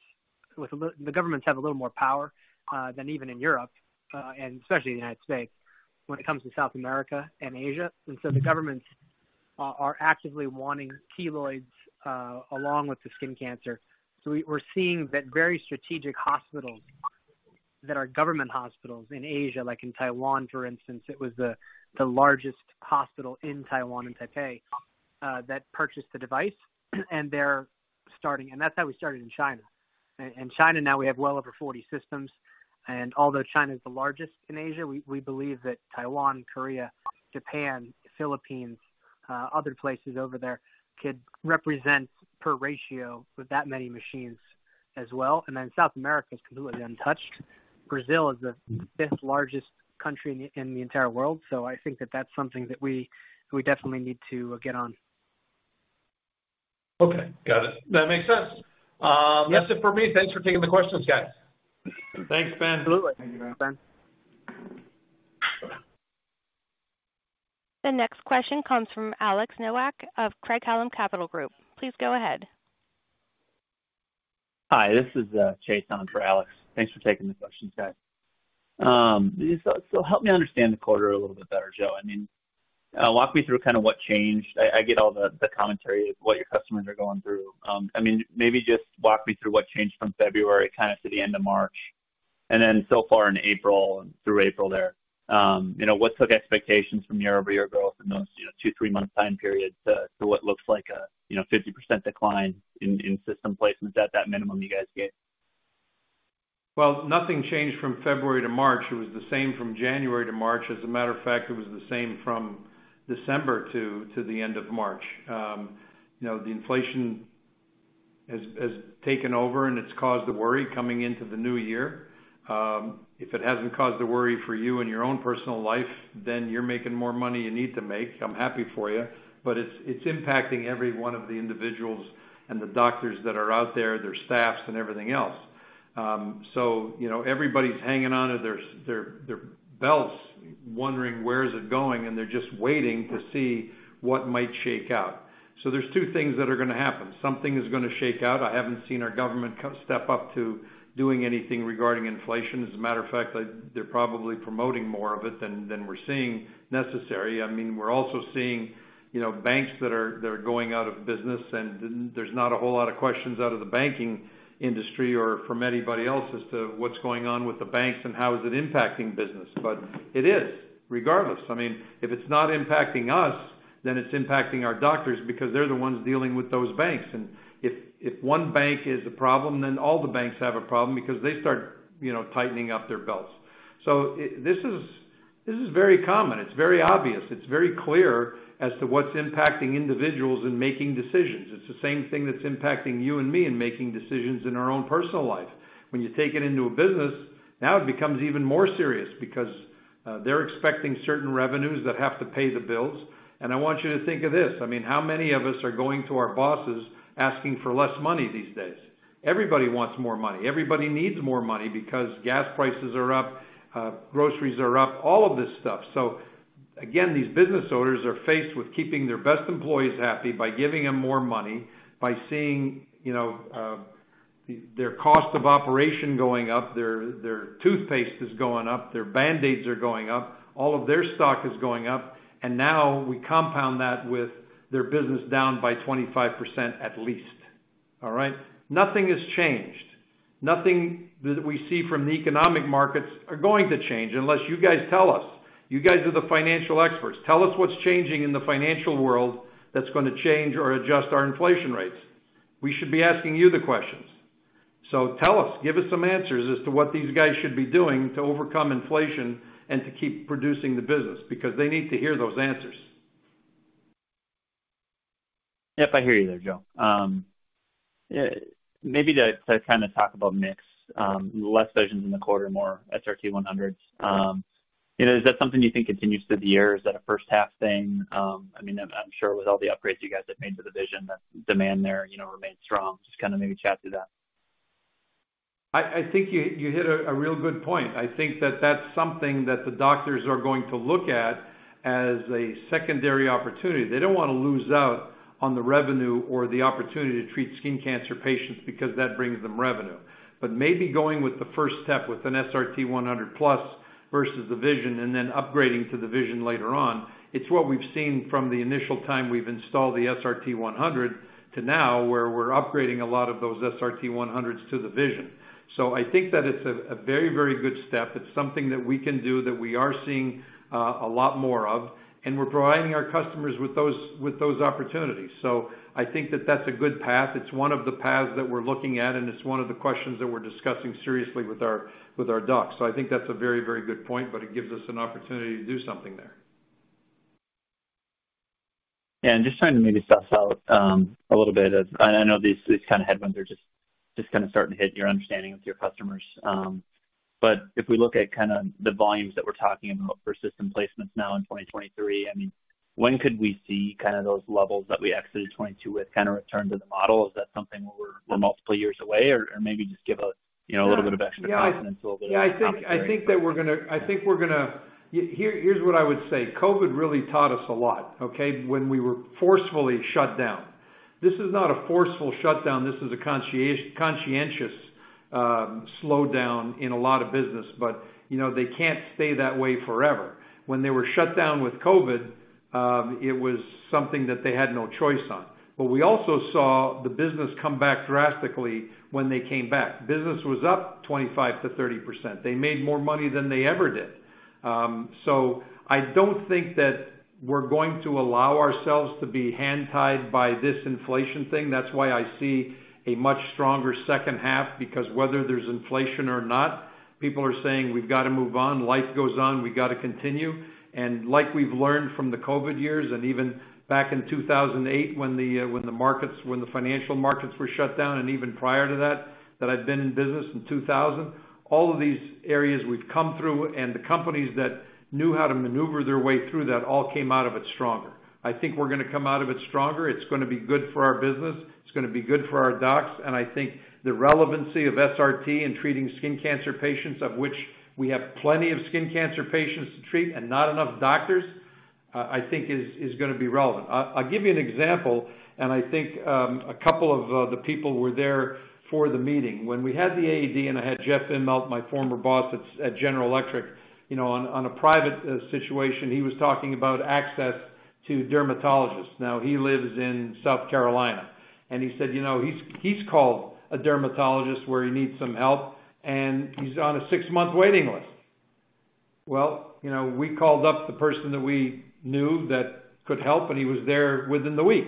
The governments have a little more power than even in Europe and especially the United States when it comes to South America and Asia. The governments are actively wanting keloids along with the skin cancer. We're seeing that very strategic hospitals that are government hospitals in Asia, like in Taiwan, for instance, it was the largest hospital in Taiwan, in Taipei, that purchased the device, and they're starting. That's how we started in China. In China now we have well over 40 systems. Although China is the largest in Asia, we believe that Taiwan, Korea, Japan, Philippines, other places over there could represent per ratio with that many machines as well. Then South America is completely untouched. Brazil is the 5th-largest country in the, in the entire world. I think that that's something that we definitely need to get on. Okay, got it. That makes sense. Yeah. That's it for me. Thanks for taking the questions, guys. Thanks, Ben. Absolutely. Thank you, Ben. Thanks, Ben. The next question comes from Alex Nowak of Craig-Hallum Capital Group. Please go ahead. Hi, this is Chase on for Alex. Thanks for taking the questions, guys. Help me understand the quarter a little bit better, Joe. I mean, walk me through kind of what changed. I get all the commentary of what your customers are going through. I mean, maybe just walk me through what changed from February kind of to the end of March, and then so far in April and through April there. You know, what took expectations from year-over-year growth in those, you know, two, three-month time periods to what looks like a, you know, 50% decline in system placements at that minimum you guys get? Nothing changed from February to March. It was the same from January to March. As a matter of fact, it was the same from December to the end of March. You know, the inflation has taken over, and it's caused a worry coming into the new year. If it hasn't caused a worry for you in your own personal life, then you're making more money you need to make. I'm happy for you, but it's impacting every one of the individuals and the doctors that are out there, their staffs and everything else. You know, everybody's hanging on to their belts wondering where is it going, and they're just waiting to see what might shake out. There's two things that are gonna happen. Something is gonna shake out. I haven't seen our government step up to doing anything regarding inflation. As a matter of fact, they're probably promoting more of it than we're seeing necessary. I mean, we're also seeing, you know, banks that are going out of business, there's not a whole lot of questions out of the banking industry or from anybody else as to what's going on with the banks and how is it impacting business. It is, regardless. I mean, if it's not impacting us, it's impacting our doctors because they're the ones dealing with those banks. If one bank is a problem, all the banks have a problem because they start, you know, tightening up their belts. This is very common. It's very obvious. It's very clear as to what's impacting individuals in making decisions. It's the same thing that's impacting you and me in making decisions in our own personal life. When you take it into a business, now it becomes even more serious because they're expecting certain revenues that have to pay the bills. I want you to think of this. I mean, how many of us are going to our bosses asking for less money these days? Everybody wants more money. Everybody needs more money because gas prices are up, groceries are up, all of this stuff. Again, these business owners are faced with keeping their best employees happy by giving them more money, by seeing, you know, their cost of operation going up, their toothpaste is going up, their band-aids are going up, all of their stock is going up. Now we compound that with their business down by 25% at least, all right. Nothing has changed. Nothing that we see from the economic markets are going to change unless you guys tell us. You guys are the financial experts. Tell us what's changing in the financial world that's gonna change or adjust our inflation rates. We should be asking you the questions. Tell us, give us some answers as to what these guys should be doing to overcome inflation and to keep producing the business, because they need to hear those answers. Yep, I hear you there, Joe. Yeah, maybe to kind of talk about mix, less sessions in the quarter, more SRT-100s. You know, is that something you think continues through the year? Is that a first half thing? I mean, I'm sure with all the upgrades you guys have made to the Vision, the demand there, you know, remains strong. Just kind of maybe chat through that. I think you hit a real good point. I think that that's something that the doctors are going to look at as a secondary opportunity. They don't wanna lose out on the revenue or the opportunity to treat skin cancer patients because that brings them revenue. Maybe going with the first step with an SRT-100+ versus the Vision and then upgrading to the Vision later on, it's what we've seen from the initial time we've installed the SRT-100 to now, where we're upgrading a lot of those SRT-100s to the Vision. I think that it's a very good step. It's something that we can do that we are seeing a lot more of, and we're providing our customers with those opportunities. I think that that's a good path. It's one of the paths that we're looking at, and it's one of the questions that we're discussing seriously with our, with our docs. I think that's a very, very good point, but it gives us an opportunity to do something there. Yeah. Just trying to maybe suss out a little bit of. I know these kind of headwinds are just kinda starting to hit your understanding with your customers. If we look at kinda the volumes that we're talking about for system placements now in 2023, I mean, when could we see kinda those levels that we exited 2022 with kinda return to the model? Is that something where we're multiple years away? Or maybe just give a, you know, a little bit of extra confidence a little bit. Yeah. Here's what I would say. COVID really taught us a lot, okay? When we were forcefully shut down. This is not a forceful shutdown, this is a conscientious slowdown in a lot of business. You know, they can't stay that way forever. When they were shut down with COVID, it was something that they had no choice on. We also saw the business come back drastically when they came back. Business was up 25%-30%. They made more money than they ever did. I don't think that we're going to allow ourselves to be hand-tied by this inflation thing. That's why I see a much stronger second half. Because whether there's inflation or not, people are saying, "We've gotta move on. Life goes on. We've gotta continue. Like we've learned from the COVID years, and even back in 2008 when the markets, when the financial markets were shut down and even prior to that I've been in business since 2000, all of these areas we've come through, and the companies that knew how to maneuver their way through that all came out of it stronger. I think we're gonna come out of it stronger. It's gonna be good for our business, it's gonna be good for our docs, and I think the relevancy of SRT in treating skin cancer patients, of which we have plenty of skin cancer patients to treat and not enough doctors, I think is gonna be relevant. I'll give you an example, and I think a couple of the people were there for the meeting. When we had the AAD and I had Jeff Immelt, my former boss at General Electric. You know, on a private situation, he was talking about access to dermatologists. Now, he lives in South Carolina. He said, you know, he's called a dermatologist where he needs some help, and he's on a 6-month waiting list. Well, you know, we called up the person that we knew that could help, and he was there within the week.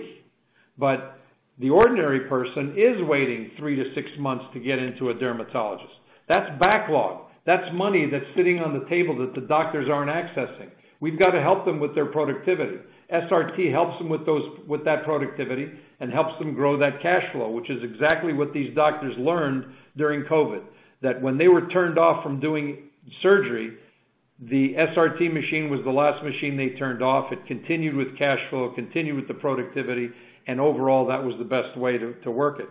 The ordinary person is waiting 3-6 months to get into a dermatologist. That's backlog. That's money that's sitting on the table that the doctors aren't accessing. We've got to help them with their productivity. SRT helps them with that productivity and helps them grow that cash flow, which is exactly what these doctors learned during COVID, that when they were turned off from doing surgery, the SRT machine was the last machine they turned off. It continued with cash flow, continued with the productivity, overall, that was the best way to work it.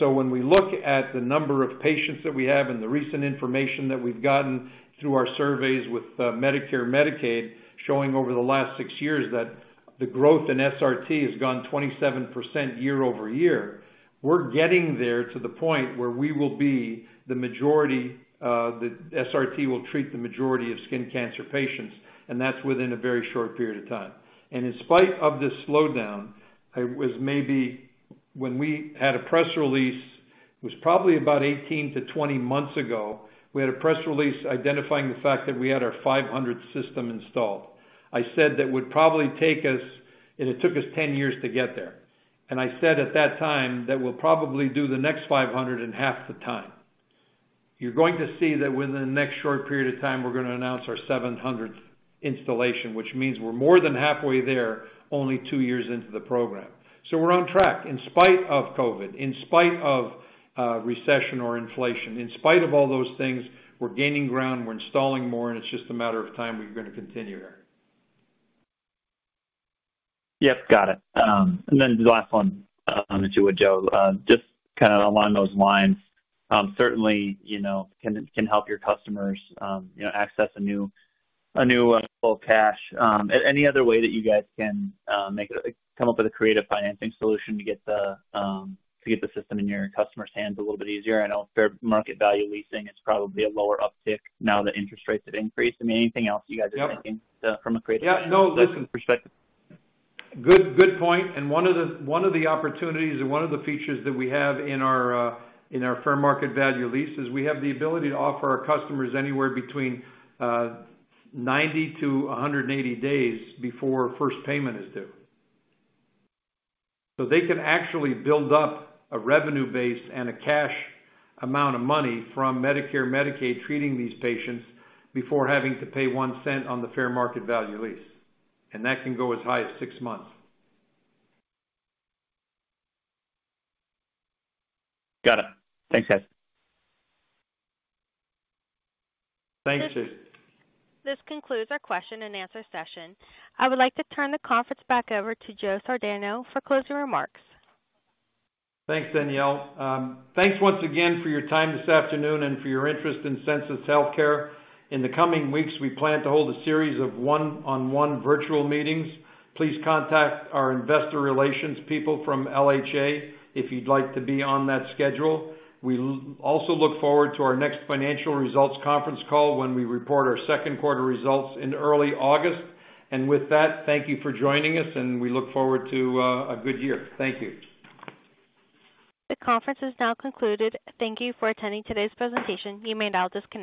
When we look at the number of patients that we have and the recent information that we've gotten through our surveys with Medicare, Medicaid, showing over the last six years that the growth in SRT has gone 27% year-over-year, we're getting there to the point where we will be the majority, the SRT will treat the majority of skin cancer patients, and that's within a very short period of time. In spite of this slowdown, it was maybe when we had a press release, it was probably about 18 to 20 months ago, we had a press release identifying the fact that we had our 500th system installed. I said that would probably take us. It took us 10 years to get there. I said at that time that we'll probably do the next 500 in half the time. You're going to see that within the next short period of time, we're gonna announce our 700th installation, which means we're more than halfway there, only 2 years into the program. We're on track in spite of COVID, in spite of recession or inflation. In spite of all those things, we're gaining ground, we're installing more, and it's just a matter of time. We're gonna continue there. Yep, got it. The last one, to you, Joe, just kinda along those lines, certainly, you know, can help your customers, you know, access a new flow of cash. Any other way that you guys can come up with a creative financing solution to get the system in your customers' hands a little bit easier? I know fair market value leasing is probably a lower uptick now that interest rates have increased. I mean, anything else you guys are thinking? Yep. -from a creative- Yeah. -perspective? Good point. One of the opportunities and one of the features that we have in our fair market value lease is we have the ability to offer our customers anywhere between 90 to 180 days before first payment is due. They can actually build up a revenue base and a cash amount of money from Medicare and Medicaid treating these patients before having to pay $0.01 on the fair market value lease, and that can go as high as 6 months. Got it. Thanks, guys. Thanks, Sue. This concludes our question and answer session. I would like to turn the conference back over to Joe Sardano for closing remarks. Thanks, Danielle. Thanks once again for your time this afternoon and for your interest in Sensus Healthcare. In the coming weeks, we plan to hold a series of one-on-one virtual meetings. Please contact our investor relations people from LHA if you'd like to be on that schedule. We also look forward to our next financial results conference call when we report our second quarter results in early August. With that, thank you for joining us, and we look forward to a good year. Thank you. The conference has now concluded. Thank you for attending today's presentation. You may now disconnect.